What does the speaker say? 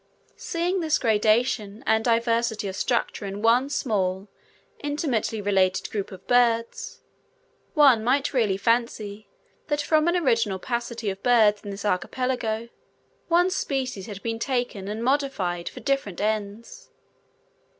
Seeing this gradation and diversity of structure in one small, intimately related group of birds, one might really fancy that from an original paucity of birds in this archipelago, one species had been taken and modified for different ends.